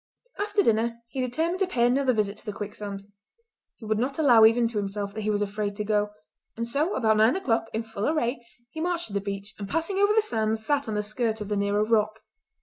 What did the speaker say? After dinner he determined to pay another visit to the quicksand—he would not allow even to himself that he was afraid to go. And so, about nine o'clock, in full array, he marched to the beach, and passing over the sands sat on the skirt of the nearer rock.